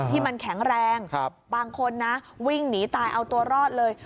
ที่มันแข็งแรงบางคนนะวิ่งหนีตายเอาตัวรอดเลย